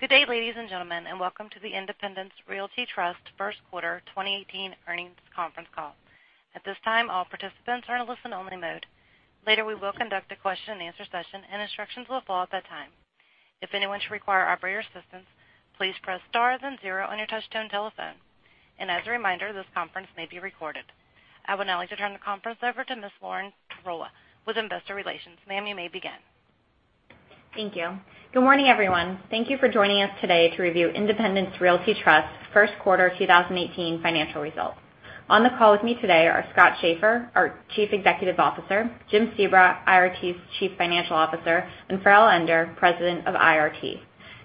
Good day, ladies and gentlemen, welcome to the Independence Realty Trust first quarter 2018 earnings conference call. At this time, all participants are in listen only mode. Later, we will conduct a question and answer session, instructions will follow at that time. If anyone should require operator assistance, please press star then zero on your touchtone telephone. As a reminder, this conference may be recorded. I would now like to turn the conference over to Ms. Lauren Tarola with Investor Relations. Ma'am, you may begin. Thank you. Good morning, everyone. Thank you for joining us today to review Independence Realty Trust first quarter 2018 financial results. On the call with me today are Scott Schaeffer, our Chief Executive Officer, Jim Sebra, IRT's Chief Financial Officer, and Farrell Ender, President of IRT.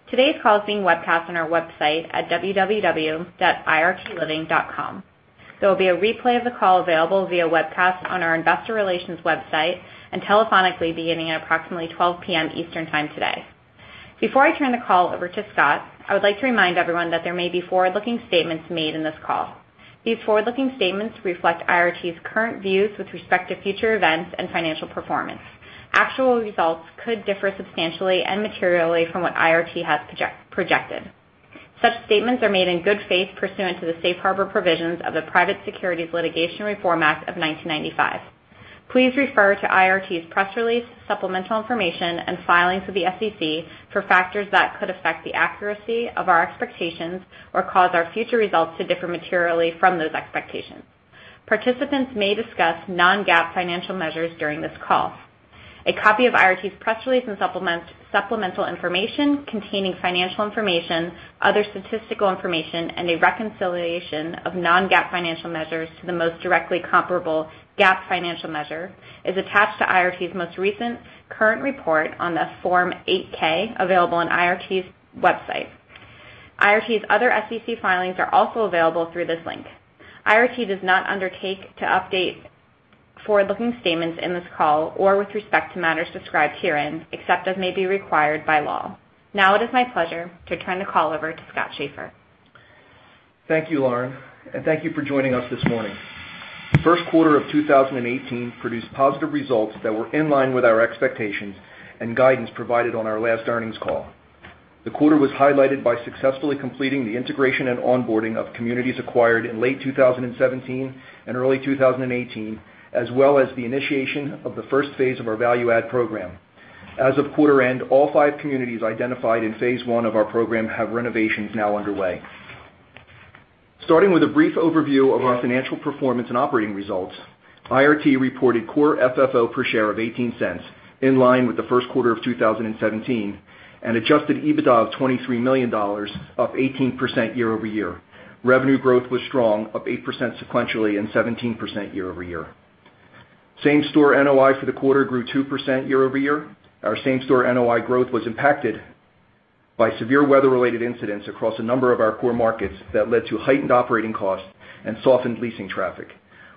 Today's call is being webcast on our website at www.irtliving.com. There will be a replay of the call available via webcast on our investor relations website and telephonically beginning at approximately 12:00 P.M. Eastern Time today. Before I turn the call over to Scott, I would like to remind everyone that there may be forward-looking statements made in this call. These forward-looking statements reflect IRT's current views with respect to future events and financial performance. Actual results could differ substantially and materially from what IRT has projected. Such statements are made in good faith pursuant to the safe harbor provisions of the Private Securities Litigation Reform Act of 1995. Please refer to IRT's press release, supplemental information and filings with the SEC for factors that could affect the accuracy of our expectations or cause our future results to differ materially from those expectations. Participants may discuss non-GAAP financial measures during this call. A copy of IRT's press release and supplemental information containing financial information, other statistical information, and a reconciliation of non-GAAP financial measures to the most directly comparable GAAP financial measure is attached to IRT's most recent current report on the Form 8-K available on IRT's website. IRT's other SEC filings are also available through this link. IRT does not undertake to update forward-looking statements in this call or with respect to matters described herein, except as may be required by law. Now it is my pleasure to turn the call over to Scott Schaeffer. Thank you, Lauren, and thank you for joining us this morning. First quarter of 2018 produced positive results that were in line with our expectations and guidance provided on our last earnings call. The quarter was highlighted by successfully completing the integration and onboarding of communities acquired in late 2017 and early 2018, as well as the initiation of the first phase of our value add program. As of quarter end, all five communities identified in phase 1 of our program have renovations now underway. Starting with a brief overview of our financial performance and operating results, IRT reported Core FFO per share of $0.18, in line with the first quarter of 2017, and Adjusted EBITDA of $23 million, up 18% year-over-year. Revenue growth was strong, up 8% sequentially and 17% year-over-year. Same-Store NOI for the quarter grew 2% year-over-year. Our Same-Store NOI growth was impacted by severe weather related incidents across a number of our core markets that led to heightened operating costs and softened leasing traffic.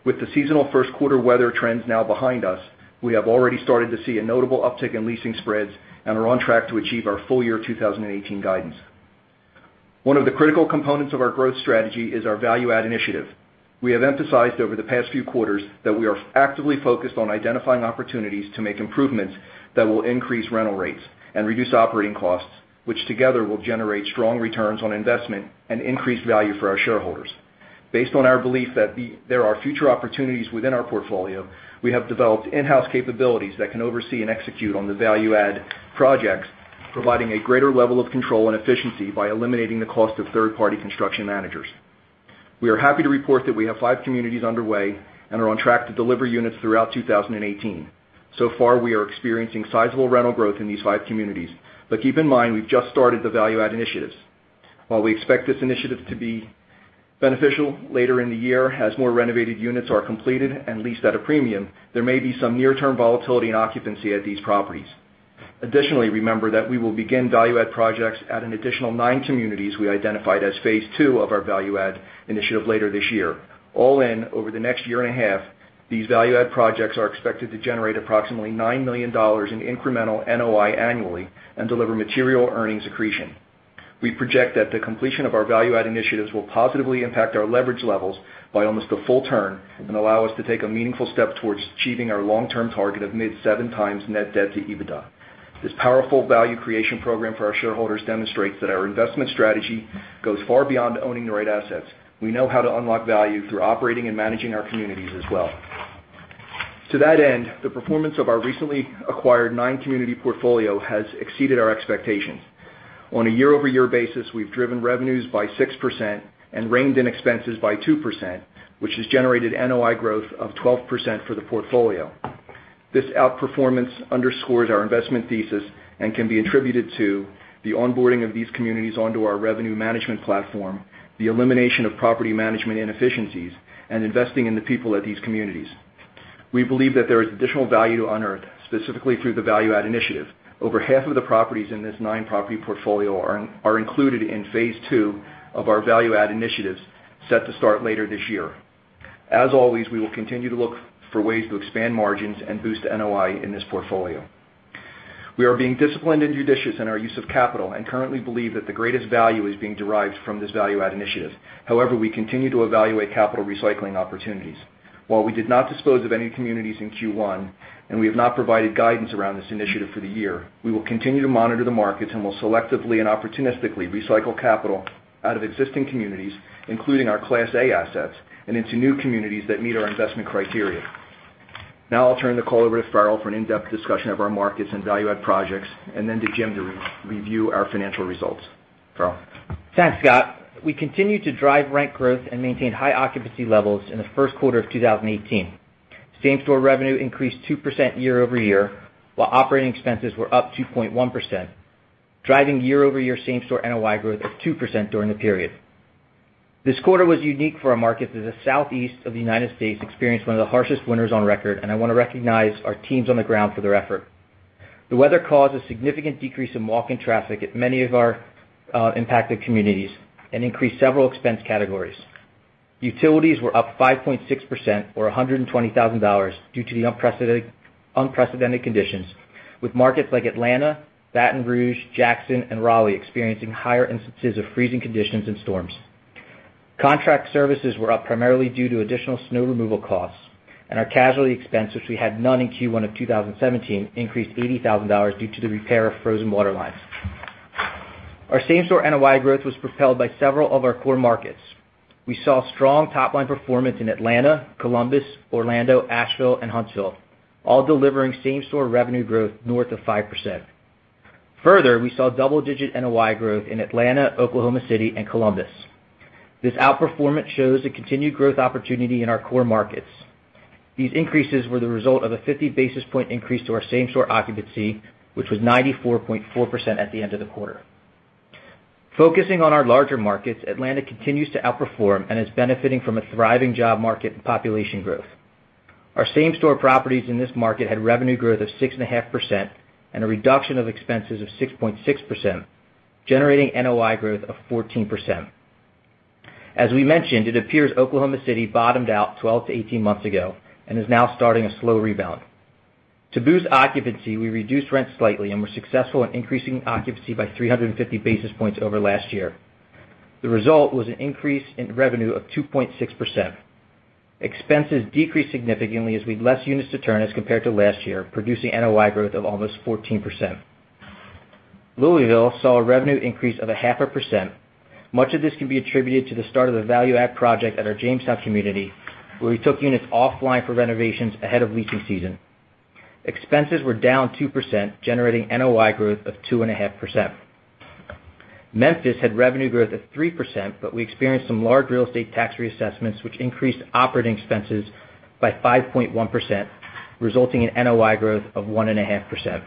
With the seasonal first quarter weather trends now behind us, we have already started to see a notable uptick in leasing spreads and are on track to achieve our full year 2018 guidance. One of the critical components of our growth strategy is our Value Add Initiative. We have emphasized over the past few quarters that we are actively focused on identifying opportunities to make improvements that will increase rental rates and reduce operating costs, which together will generate strong returns on investment and increase value for our shareholders. Based on our belief that there are future opportunities within our portfolio, we have developed in-house capabilities that can oversee and execute on the Value Add Projects, providing a greater level of control and efficiency by eliminating the cost of third-party construction managers. We are happy to report that we have five communities underway and are on track to deliver units throughout 2018. We are experiencing sizable rental growth in these five communities, but keep in mind, we've just started the Value Add Initiatives. We expect this initiative to be beneficial later in the year, as more renovated units are completed and leased at a premium, there may be some near-term volatility in occupancy at these properties. Remember that we will begin Value Add Projects at an additional nine communities we identified as phase 2 of our Value Add Initiative later this year. Over the next year and a half, these Value Add Projects are expected to generate approximately $9 million in incremental NOI annually and deliver material earnings accretion. We project that the completion of our Value Add Initiatives will positively impact our leverage levels by almost a full turn and allow us to take a meaningful step towards achieving our long-term target of mid 7 times Net Debt to EBITDA. This powerful value creation program for our shareholders demonstrates that our investment strategy goes far beyond owning the right assets. We know how to unlock value through operating and managing our communities as well. To that end, the performance of our recently acquired nine-community portfolio has exceeded our expectations. On a year-over-year basis, we've driven revenues by 6% and reined in expenses by 2%, which has generated NOI growth of 12% for the portfolio. This outperformance underscores our investment thesis and can be attributed to the onboarding of these communities onto our revenue management platform, the elimination of property management inefficiencies, and investing in the people at these communities. We believe that there is additional value to unearth, specifically through the Value Add Initiative. Over half of the properties in this nine-property portfolio are included in phase 2 of our Value Add Initiatives set to start later this year. As always, we will continue to look for ways to expand margins and boost NOI in this portfolio. We are being disciplined and judicious in our use of capital and currently believe that the greatest value is being derived from this Value Add Initiative. However, we continue to evaluate capital recycling opportunities. While we did not dispose of any communities in Q1, we have not provided guidance around this initiative for the year, we will continue to monitor the markets and will selectively and opportunistically recycle capital out of existing communities, including our Class A assets, and into new communities that meet our investment criteria. Now I'll turn the call over to Farrell for an in-depth discussion of our markets and Value Add Projects, and then to Jim to review our financial results. Farrell. Thanks, Scott. We continue to drive rent growth and maintain high occupancy levels in the first quarter of 2018. Same-store revenue increased 2% year-over-year, while operating expenses were up 2.1%, driving year-over-year Same-Store NOI growth of 2% during the period. This quarter was unique for our market as the Southeast of the U.S. experienced one of the harshest winters on record. I want to recognize our teams on the ground for their effort. The weather caused a significant decrease in walk-in traffic at many of our impacted communities and increased several expense categories. Utilities were up 5.6%, or $120,000 due to the unprecedented conditions with markets like Atlanta, Baton Rouge, Jackson, and Raleigh experiencing higher instances of freezing conditions and storms. Contract services were up primarily due to additional snow removal costs. Our casualty expense, which we had none in Q1 of 2017, increased $80,000 due to the repair of frozen water lines. Our Same-Store NOI growth was propelled by several of our core markets. We saw strong top-line performance in Atlanta, Columbus, Orlando, Asheville, and Huntsville, all delivering same-store revenue growth north of 5%. Further, we saw double-digit NOI growth in Atlanta, Oklahoma City, and Columbus. This outperformance shows a continued growth opportunity in our core markets. These increases were the result of a 50 basis point increase to our same-store occupancy, which was 94.4% at the end of the quarter. Focusing on our larger markets, Atlanta continues to outperform and is benefiting from a thriving job market and population growth. Our same-store properties in this market had revenue growth of 6.5% and a reduction of expenses of 6.6%, generating NOI growth of 14%. As we mentioned, it appears Oklahoma City bottomed out 12 to 18 months ago and is now starting a slow rebound. To boost occupancy, we reduced rent slightly and were successful in increasing occupancy by 350 basis points over last year. The result was an increase in revenue of 2.6%. Expenses decreased significantly as we had less units to turn as compared to last year, producing NOI growth of almost 14%. Louisville saw a revenue increase of a half a percent. Much of this can be attributed to the start of the value add project at our Jamestown community, where we took units offline for renovations ahead of leasing season. Expenses were down 2%, generating NOI growth of 2.5%. Memphis had revenue growth of 3%, but we experienced some large real estate tax reassessments, which increased operating expenses by 5.1%, resulting in NOI growth of 1.5%.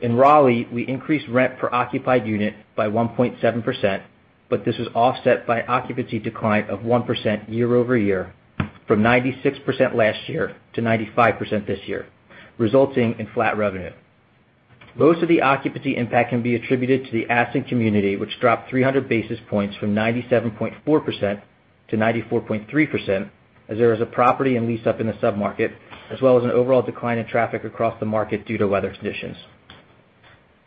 In Raleigh, we increased rent per occupied unit by 1.7%, but this was offset by occupancy decline of 1% year-over-year from 96% last year to 95% this year, resulting in flat revenue. Most of the occupancy impact can be attributed to the Ashton community, which dropped 300 basis points from 97.4% to 94.3% as there was a property and lease-up in the sub-market, as well as an overall decline in traffic across the market due to weather conditions.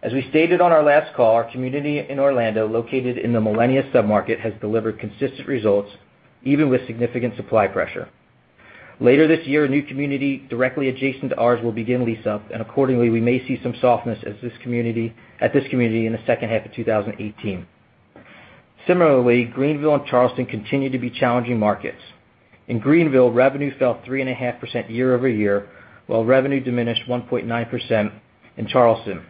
As we stated on our last call, our community in Orlando, located in the Millenia sub-market, has delivered consistent results, even with significant supply pressure. Later this year, a new community directly adjacent to ours will begin lease-up, and accordingly, we may see some softness at this community in the second half of 2018. Similarly, Greenville and Charleston continue to be challenging markets. In Greenville, revenue fell 3.5% year-over-year, while revenue diminished 1.9% in Charleston.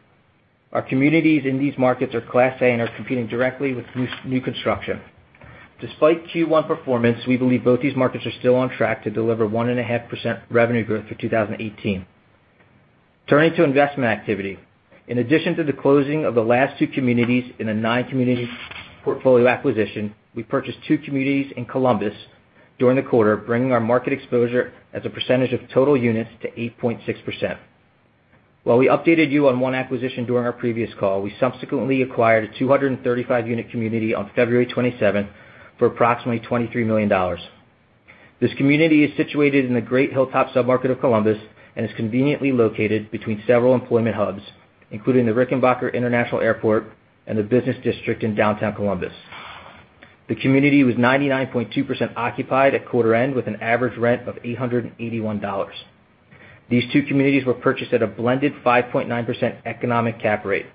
Our communities in these markets are Class A and are competing directly with new construction. Despite Q1 performance, we believe both these markets are still on track to deliver 1.5% revenue growth for 2018. Turning to investment activity. In addition to the closing of the last two communities in a nine-community portfolio acquisition, we purchased two communities in Columbus during the quarter, bringing our market exposure as a percentage of total units to 8.6%. While we updated you on one acquisition during our previous call, we subsequently acquired a 235-unit community on February 27 for approximately $23 million. This community is situated in the great hilltop sub-market of Columbus and is conveniently located between several employment hubs, including the Rickenbacker International Airport and the business district in downtown Columbus. The community was 99.2% occupied at quarter end with an average rent of $881. These two communities were purchased at a blended 5.9% economic cap rate.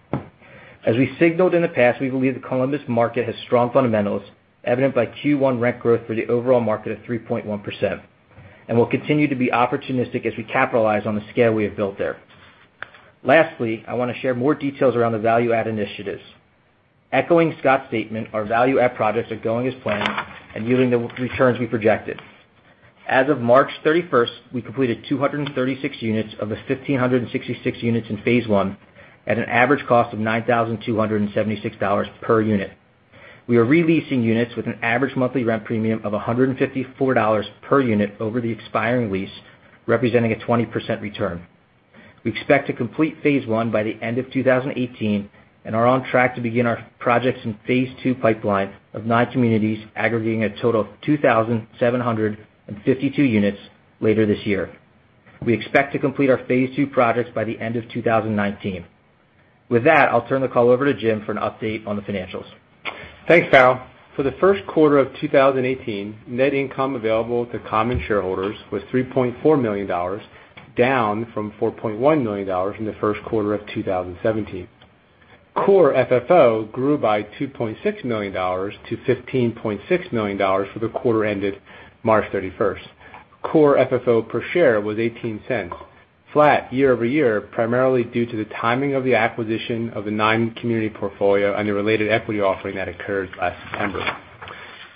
As we signaled in the past, we believe the Columbus market has strong fundamentals, evident by Q1 rent growth for the overall market of 3.1%, and will continue to be opportunistic as we capitalize on the scale we have built there. Lastly, I want to share more details around the value add initiatives. Echoing Scott's statement, our value add projects are going as planned and yielding the returns we projected. As of March 31st, we completed 236 units of the 1,566 units in phase one at an average cost of $9,276 per unit. We are re-leasing units with an average monthly rent premium of $154 per unit over the expiring lease, representing a 20% return. We expect to complete phase 1 by the end of 2018 and are on track to begin our projects in phase 2 pipeline of nine communities aggregating a total of 2,752 units later this year. We expect to complete our phase 2 projects by the end of 2019. I'll turn the call over to Jim for an update on the financials. Thanks, Farrell. For the first quarter of 2018, net income available to common shareholders was $3.4 million, down from $4.1 million in the first quarter of 2017. Core FFO grew by $2.6 million to $15.6 million for the quarter ended March 31st. Core FFO per share was $0.18, flat year-over-year, primarily due to the timing of the acquisition of the nine-community portfolio and the related equity offering that occurred last September.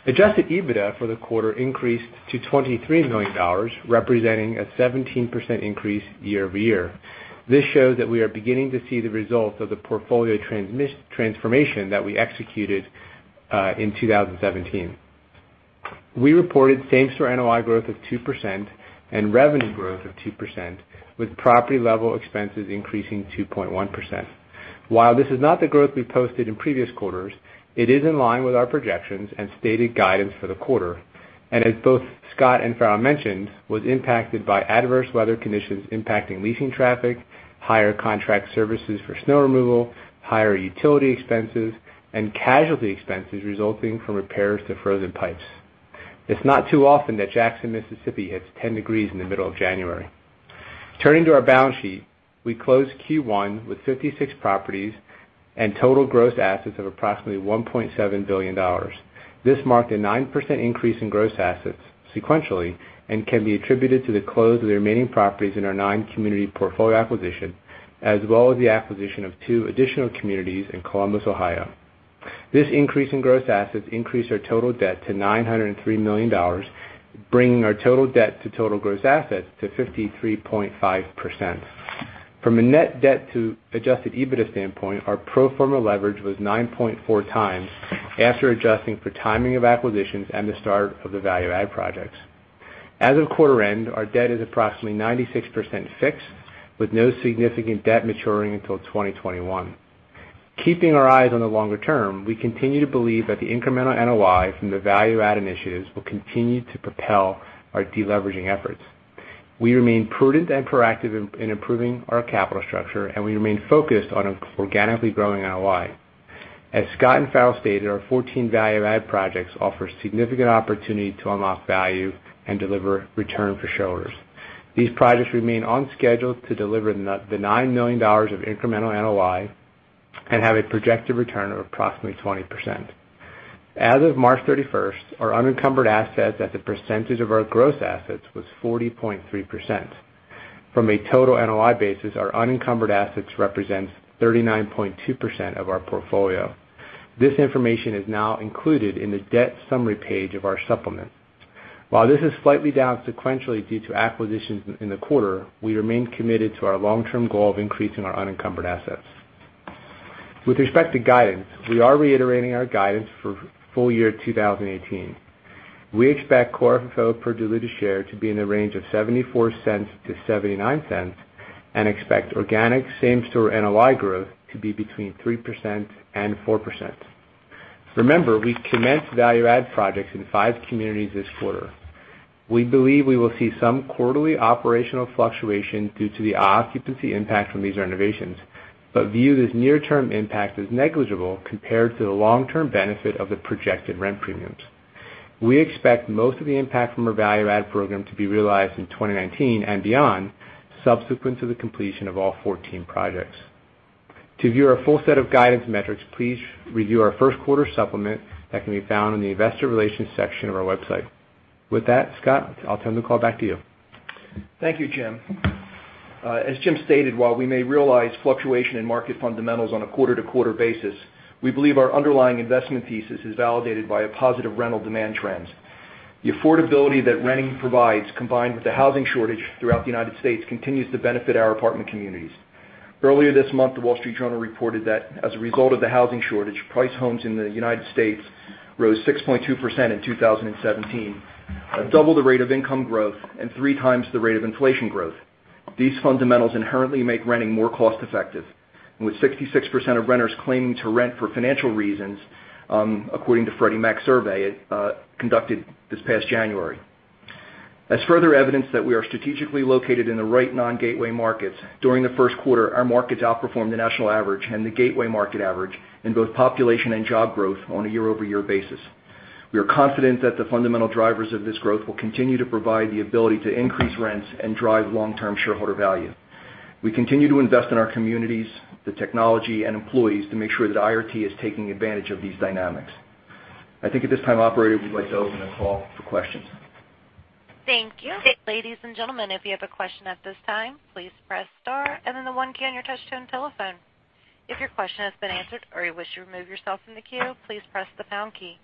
Adjusted EBITDA for the quarter increased to $23 million, representing a 17% increase year-over-year. This shows that we are beginning to see the results of the portfolio transformation that we executed in 2017. We reported Same-Store NOI growth of 2% and revenue growth of 2%, with property-level expenses increasing 2.1%. While this is not the growth we posted in previous quarters, it is in line with our projections and stated guidance for the quarter. As both Scott and Farrell mentioned, was impacted by adverse weather conditions impacting leasing traffic, higher contract services for snow removal, higher utility expenses, and casualty expenses resulting from repairs to frozen pipes. It's not too often that Jackson, Mississippi, hits 10 degrees in the middle of January. Turning to our balance sheet, we closed Q1 with 56 properties and total gross assets of approximately $1.7 billion. This marked a 9% increase in gross assets sequentially and can be attributed to the close of the remaining properties in our nine-community portfolio acquisition, as well as the acquisition of two additional communities in Columbus, Ohio. This increase in gross assets increased our total debt to $903 million, bringing our total debt to total gross assets to 53.5%. From a Net Debt to Adjusted EBITDA standpoint, our pro forma leverage was 9.4 times after adjusting for timing of acquisitions and the start of the value add projects. As of quarter end, our debt is approximately 96% fixed, with no significant debt maturing until 2021. Keeping our eyes on the longer term, we continue to believe that the incremental NOI from the value add initiatives will continue to propel our deleveraging efforts. We remain prudent and proactive in improving our capital structure, we remain focused on organically growing NOI. As Scott and Farrell stated, our 14 value add projects offer significant opportunity to unlock value and deliver return for shareholders. These projects remain on schedule to deliver the $9 million of incremental NOI and have a projected return of approximately 20%. As of March 31st, our unencumbered assets as a percentage of our gross assets was 40.3%. From a total NOI basis, our unencumbered assets represents 39.2% of our portfolio. This information is now included in the debt summary page of our supplement. While this is slightly down sequentially due to acquisitions in the quarter, we remain committed to our long-term goal of increasing our unencumbered assets. With respect to guidance, we are reiterating our guidance for full year 2018. We expect Core FFO per diluted share to be in the range of $0.74 to $0.79 and expect organic Same-Store NOI growth to be between 3% and 4%. Remember, we commenced value add projects in five communities this quarter. We believe we will see some quarterly operational fluctuation due to the occupancy impact from these renovations, but view this near-term impact as negligible compared to the long-term benefit of the projected rent premiums. We expect most of the impact from our value add program to be realized in 2019 and beyond, subsequent to the completion of all 14 projects. To view our full set of guidance metrics, please review our first quarter supplement that can be found in the investor relations section of our website. With that, Scott, I'll turn the call back to you. Thank you, Jim. As Jim stated, while we may realize fluctuation in market fundamentals on a quarter-to-quarter basis, we believe our underlying investment thesis is validated by positive rental demand trends. The affordability that renting provides, combined with the housing shortage throughout the U.S., continues to benefit our apartment communities. Earlier this month, The Wall Street Journal reported that as a result of the housing shortage, priced homes in the U.S. rose 6.2% in 2017, double the rate of income growth and three times the rate of inflation growth. These fundamentals inherently make renting more cost-effective, with 66% of renters claiming to rent for financial reasons, according to Freddie Mac's survey conducted this past January. As further evidence that we are strategically located in the right non-gateway markets, during the first quarter, our markets outperformed the national average and the gateway market average in both population and job growth on a year-over-year basis. We are confident that the fundamental drivers of this growth will continue to provide the ability to increase rents and drive long-term shareholder value. We continue to invest in our communities, the technology, and employees to make sure that IRT is taking advantage of these dynamics. I think at this time, operator, we'd like to open the call for questions. Thank you. Ladies and gentlemen, if you have a question at this time, please press star and then the one key on your touch-tone telephone. If your question has been answered or you wish to remove yourself from the queue, please press the pound key.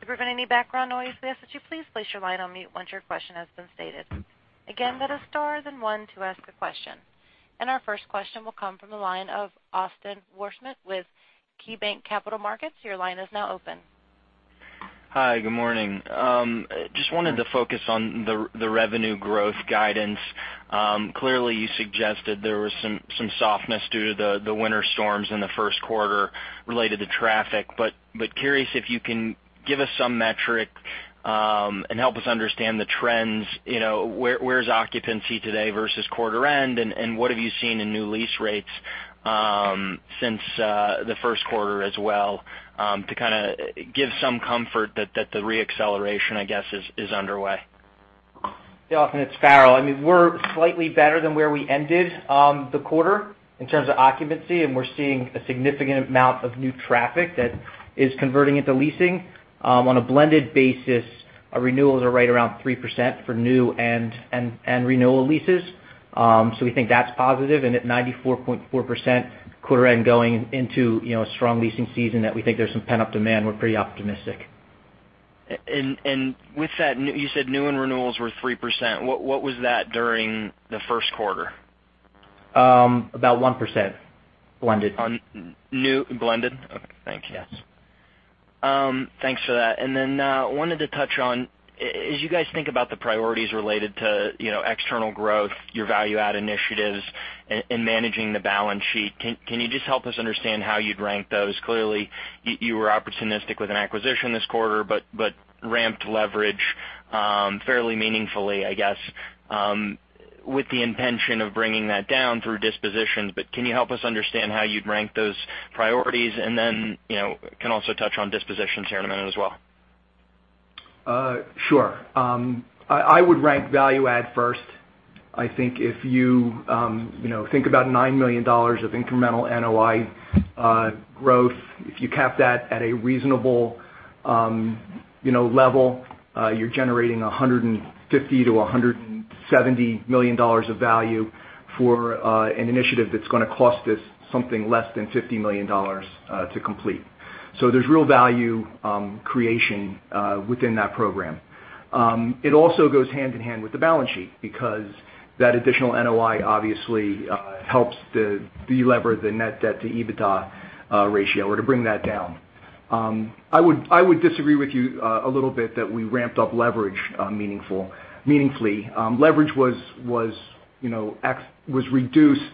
To prevent any background noise, we ask that you please place your line on mute once your question has been stated. Again, that is star then one to ask a question. Our first question will come from the line of Austin Wurschmidt with KeyBanc Capital Markets. Your line is now open. Hi, good morning. Just wanted to focus on the revenue growth guidance. Clearly, you suggested there was some softness due to the winter storms in the first quarter related to traffic. Curious if you can give us some metric and help us understand the trends. Where's occupancy today versus quarter end, and what have you seen in new lease rates since the first quarter as well, to give some comfort that the re-acceleration, I guess, is underway. Yeah. Austin, it's Farrell. We're slightly better than where we ended the quarter in terms of occupancy, and we're seeing a significant amount of new traffic that is converting into leasing. On a blended basis, our renewals are right around 3% for new and renewal leases. We think that's positive, and at 94.4% quarter end going into a strong leasing season that we think there's some pent-up demand, we're pretty optimistic. With that, you said new and renewals were 3%. What was that during the first quarter? About 1% blended. On new blended? Okay, thanks. Yes. Thanks for that. Then, wanted to touch on, as you guys think about the priorities related to external growth, your value-add initiatives, and managing the balance sheet, can you just help us understand how you'd rank those? Clearly, you were opportunistic with an acquisition this quarter, but ramped leverage fairly meaningfully, I guess, with the intention of bringing that down through dispositions, but can you help us understand how you'd rank those priorities? Then, can also touch on dispositions here in a minute as well. Sure. I would rank value add first. I think if you think about $9 million of incremental NOI growth, if you cap that at a reasonable level, you're generating $150 million-$170 million of value for an initiative that's going to cost us something less than $50 million to complete. There's real value creation within that program. It also goes hand-in-hand with the balance sheet because that additional NOI obviously helps to delever the Net Debt to EBITDA ratio, or to bring that down. I would disagree with you a little bit that we ramped up leverage meaningfully. Leverage was reduced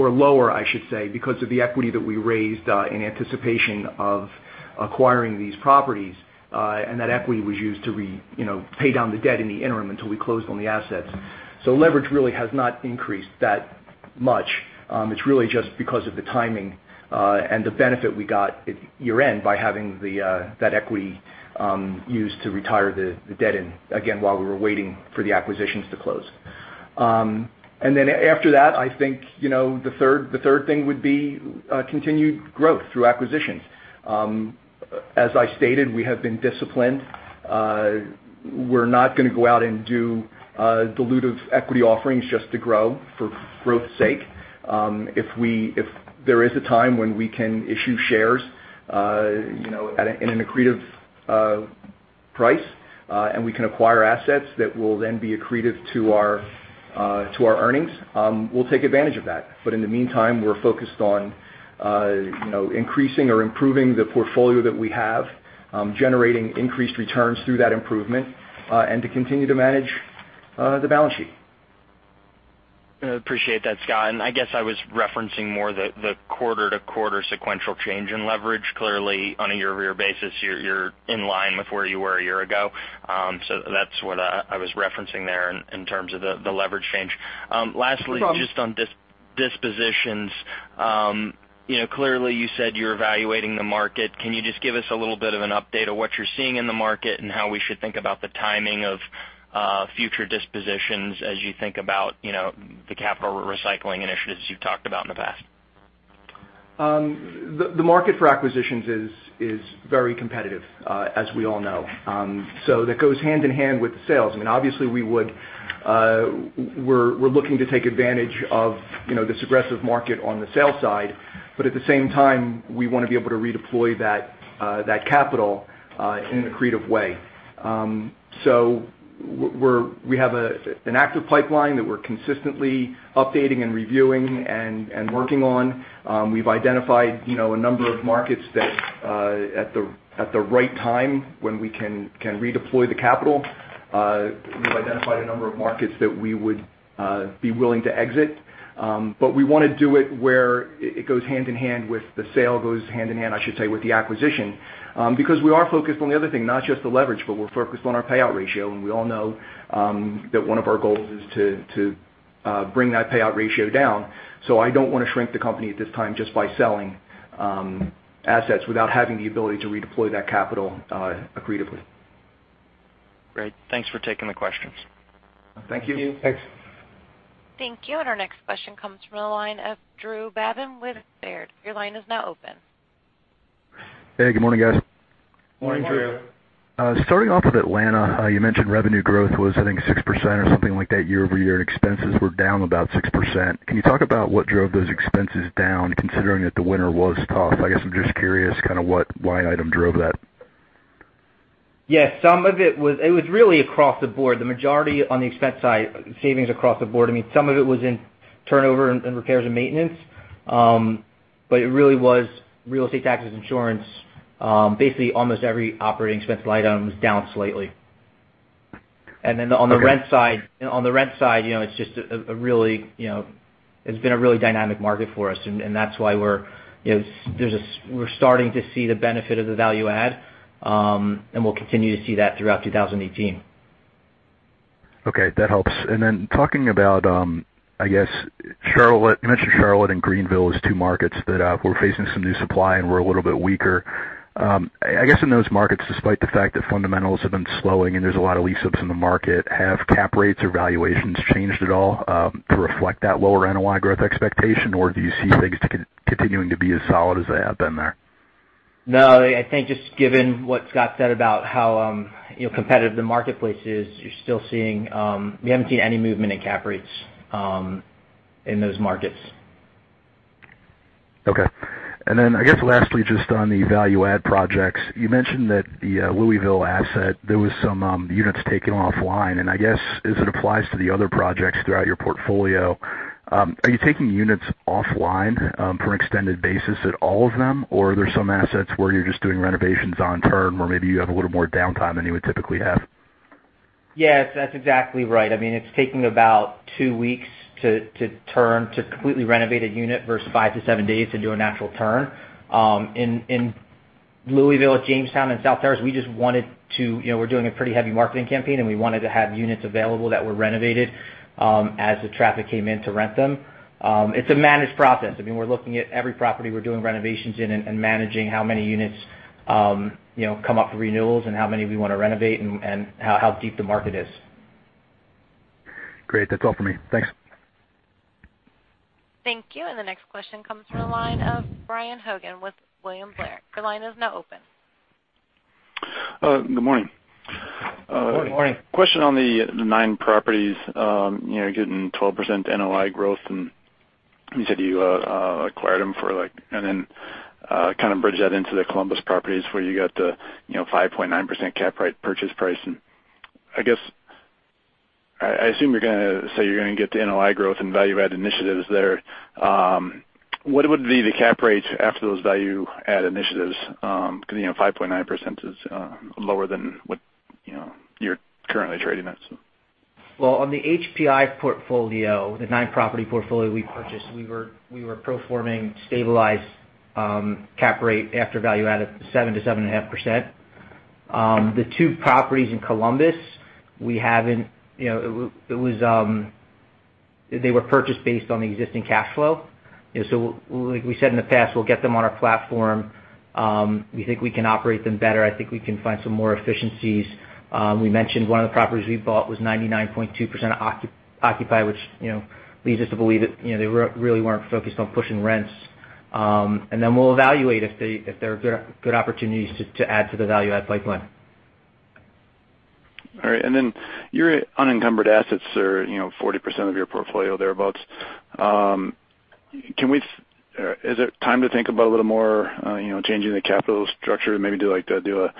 or lower, I should say, because of the equity that we raised in anticipation of acquiring these properties. That equity was used to pay down the debt in the interim until we closed on the assets. Leverage really has not increased that much. It's really just because of the timing, and the benefit we got at year-end by having that equity used to retire the debt in, again, while we were waiting for the acquisitions to close. After that, I think, the third thing would be continued growth through acquisitions. As I stated, we have been disciplined. We're not going to go out and do dilutive equity offerings just to grow for growth's sake. If there is a time when we can issue shares, in an accretive price, and we can acquire assets that will then be accretive to our earnings, we'll take advantage of that. In the meantime, we're focused on increasing or improving the portfolio that we have, generating increased returns through that improvement, and to continue to manage the balance sheet. Appreciate that, Scott. I guess I was referencing more the quarter-to-quarter sequential change in leverage. Clearly, on a year-over-year basis, you're in line with where you were a year ago. That's what I was referencing there in terms of the leverage change. No problem. Lastly, just on dispositions. Clearly you said you're evaluating the market. Can you just give us a little bit of an update of what you're seeing in the market, and how we should think about the timing of future dispositions as you think about the capital recycling initiatives you've talked about in the past? The market for acquisitions is very competitive, as we all know. That goes hand-in-hand with the sales. Obviously, we're looking to take advantage of this aggressive market on the sales side, but at the same time, we want to be able to redeploy that capital in an accretive way. We have an active pipeline that we're consistently updating and reviewing and working on. We've identified a number of markets that, at the right time, when we can redeploy the capital, we would be willing to exit. We want to do it where it goes hand-in-hand with the sale, I should say, with the acquisition, because we are focused on the other thing, not just the leverage, but we're focused on our payout ratio, and we all know that one of our goals is to bring that payout ratio down. I don't want to shrink the company at this time just by selling assets without having the ability to redeploy that capital accretively. Great. Thanks for taking the questions. Thank you. Thank you. Thanks. Thank you. Our next question comes from the line of Drew Babin with Baird. Your line is now open. Hey, good morning, guys. Morning, Drew. Morning. Starting off with Atlanta, you mentioned revenue growth was, I think 6% or something like that year-over-year. Expenses were down about 6%. Can you talk about what drove those expenses down, considering that the winter was tough? I guess I'm just curious what line item drove that. Yes. It was really across the board. The majority on the expense side, savings across the board. Some of it was in turnover and repairs and maintenance. It really was real estate taxes, insurance. Basically, almost every operating expense line item was down slightly. Okay. Then on the rent side, it's been a really dynamic market for us, and that's why we're starting to see the benefit of the value add. We'll continue to see that throughout 2018. Okay, that helps. Talking about, you mentioned Charlotte and Greenville as two markets that were facing some new supply and were a little bit weaker. I guess in those markets, despite the fact that fundamentals have been slowing and there's a lot of lease-ups in the market, have cap rates or valuations changed at all to reflect that lower NOI growth expectation? Or do you see things continuing to be as solid as they have been there? No, I think just given what Scott said about how competitive the marketplace is, we haven't seen any movement in cap rates in those markets. Okay. I guess lastly, just on the value add projects, you mentioned that the Louisville asset, there was some units taken offline, and I guess as it applies to the other projects throughout your portfolio, are you taking units offline for an extended basis at all of them? Or are there some assets where you're just doing renovations on turn, where maybe you have a little more downtime than you would typically have? Yes, that's exactly right. It's taking about 2 weeks to turn, to completely renovate a unit versus 5 to 7 days to do a natural turn. In Louisville at Jamestown and South Terrace, we're doing a pretty heavy marketing campaign, and we wanted to have units available that were renovated, as the traffic came in to rent them. It's a managed process. We're looking at every property we're doing renovations in and managing how many units come up for renewals and how many we want to renovate and how deep the market is. Great. That's all for me. Thanks. Thank you. The next question comes from the line of Brian Hogan with William Blair. Your line is now open. Good morning. Good morning. Question on the nine properties. You're getting 12% NOI growth. Kind of bridge that into the Columbus properties where you got the 5.9% cap rate purchase price. I guess, I assume you're going to say you're going to get the NOI growth and value add initiatives there. What would be the cap rate after those value add initiatives? Because 5.9% is lower than what you're currently trading at. Well, on the HPI portfolio, the nine-property portfolio we purchased, we were pro forma-ing stabilized cap rate after value add of 7%-7.5%. The two properties in Columbus, they were purchased based on the existing cash flow. Like we said in the past, we'll get them on our platform. We think we can operate them better. I think we can find some more efficiencies. We mentioned one of the properties we bought was 99.2% occupied, which leads us to believe that they really weren't focused on pushing rents. Then we'll evaluate if there are good opportunities to add to the value add pipeline. All right. Then your unencumbered assets are 40% of your portfolio thereabouts. Is it time to think about a little more changing the capital structure? Maybe do like the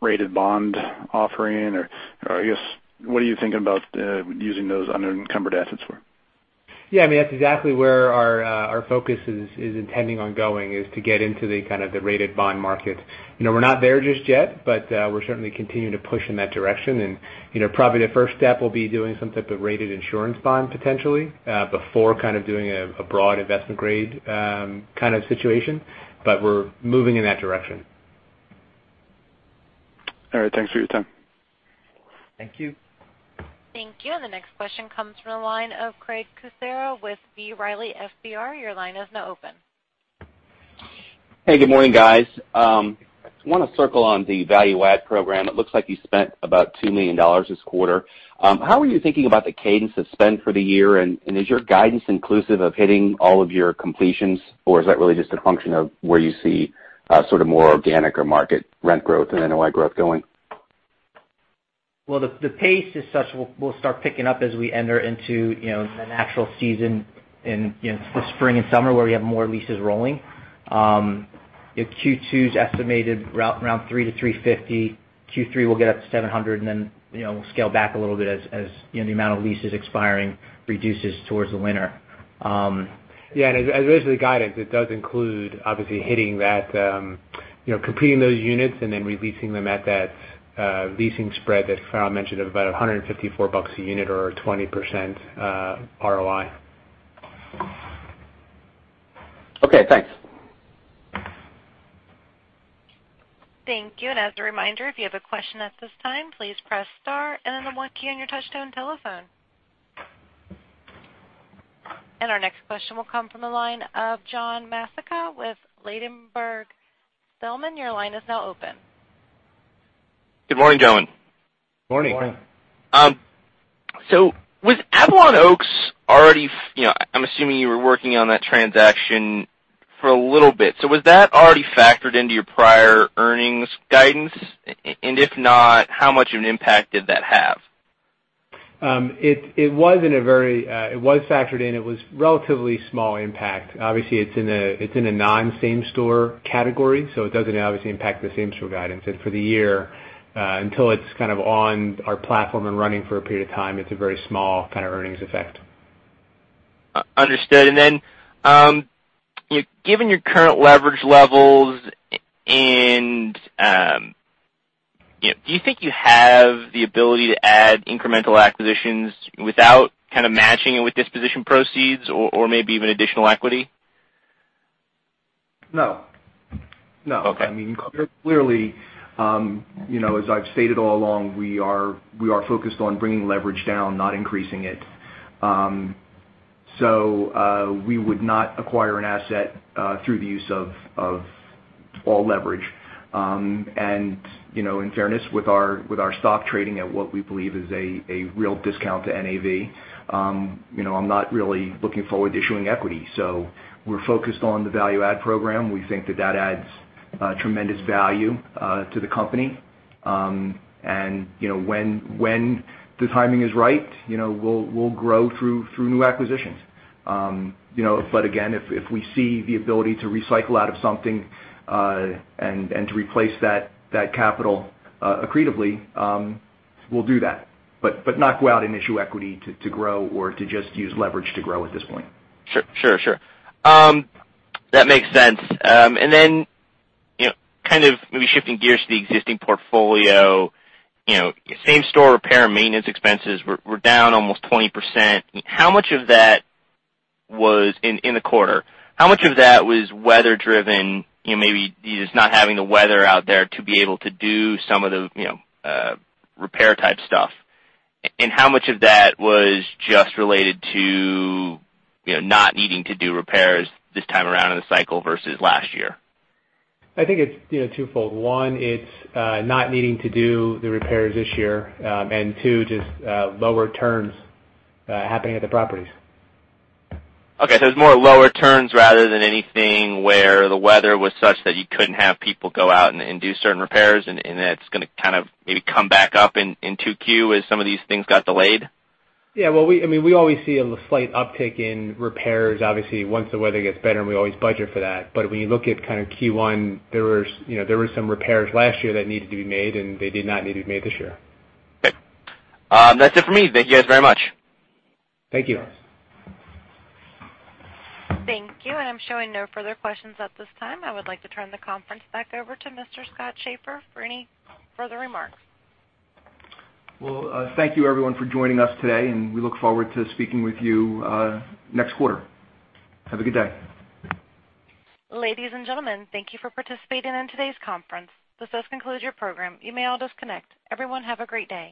rated bond offering, I guess, what are you thinking about using those unencumbered assets for? Yeah, that's exactly where our focus is intending on going, is to get into the kind of the rated bond market. We're not there just yet, but we're certainly continuing to push in that direction. Probably the first step will be doing some type of rated insurance bond potentially, before kind of doing a broad investment grade kind of situation. We're moving in that direction. All right. Thanks for your time. Thank you. Thank you. The next question comes from the line of Craig Kucera with B. Riley FBR. Your line is now open. Hey, good morning, guys. Want to circle on the value add program. It looks like you spent about $2 million this quarter. How are you thinking about the cadence of spend for the year, is your guidance inclusive of hitting all of your completions, or is that really just a function of where you see sort of more organic or market rent growth and NOI growth going? Well, the pace as such will start picking up as we enter into the natural season in the spring and summer where we have more leases rolling. Q2's estimated around 300-350. Q3 will get up to 700 and then we'll scale back a little bit as the amount of leases expiring reduces towards the winter. As it relates to the guidance, it does include obviously hitting that, completing those units and then re-leasing them at that leasing spread that Farrell mentioned of about $154 a unit or 20% ROI. Okay, thanks. Thank you. As a reminder, if you have a question at this time, please press star and then the one key on your touchtone telephone. Our next question will come from the line of John Massocca with Ladenburg Thalmann. Your line is now open. Good morning, gentlemen. Morning. Morning. Was Avalon Oaks already I'm assuming you were working on that transaction for a little bit. Was that already factored into your prior earnings guidance? If not, how much of an impact did that have? It was factored in. It was relatively small impact. Obviously, it's in a non-Same-Store category, so it doesn't obviously impact the Same-Store guidance. For the year, until it's kind of on our platform and running for a period of time, it's a very small kind of earnings effect. Understood. Given your current leverage levels, do you think you have the ability to add incremental acquisitions without kind of matching it with disposition proceeds or maybe even additional equity? No. Okay. I mean, clearly, as I've stated all along, we are focused on bringing leverage down, not increasing it. We would not acquire an asset through the use of all leverage. In fairness, with our stock trading at what we believe is a real discount to NAV, I'm not really looking forward to issuing equity. We're focused on the value add program. We think that that adds tremendous value to the company. When the timing is right, we'll grow through new acquisitions. Again, if we see the ability to recycle out of something and to replace that capital accretively, we'll do that. Not go out and issue equity to grow or to just use leverage to grow at this point. Sure. That makes sense. Then, maybe shifting gears to the existing portfolio. Same store repair and maintenance expenses were down almost 20%. In the quarter, how much of that was weather driven, maybe you just not having the weather out there to be able to do some of the repair type stuff? How much of that was just related to not needing to do repairs this time around in the cycle versus last year? I think it's twofold. One, it's not needing to do the repairs this year. Two, just lower turns happening at the properties. Okay, it's more lower turns rather than anything where the weather was such that you couldn't have people go out and do certain repairs, that's going to kind of maybe come back up in 2Q as some of these things got delayed? Yeah. Well, we always see a slight uptick in repairs, obviously, once the weather gets better, and we always budget for that. When you look at kind of Q1, there were some repairs last year that needed to be made, and they did not need to be made this year. Okay. That's it for me. Thank you guys very much. Thank you. Thank you. I'm showing no further questions at this time. I would like to turn the conference back over to Mr. Scott Schaeffer for any further remarks. Well, thank you everyone for joining us today, and we look forward to speaking with you next quarter. Have a good day. Ladies and gentlemen, thank you for participating in today's conference. This does conclude your program. You may all disconnect. Everyone have a great day.